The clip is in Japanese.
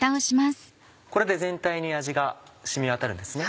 これで全体に味が染みわたるんですね。